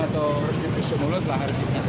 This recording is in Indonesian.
atau resipi mulut lah